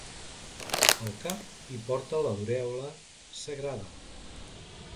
Al cap hi porta l'aurèola sagrada.